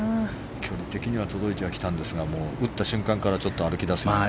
距離的には届いてはきたんですが打った瞬間から歩き出すような。